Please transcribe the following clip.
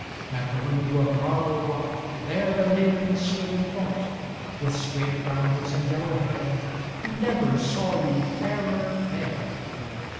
At the window of marble wrought, There the maiden stood in thought, With straight brows and yellow hair, Never saw ye fairer fair!